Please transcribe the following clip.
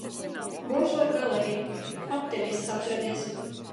Būšot galerija. Optimists atradies.